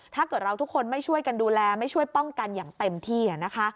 ถ้าเกิดเราทุกคนไม่ช่วยกันดูแลไม่ช่วยป้องกันอย่างเต็มที่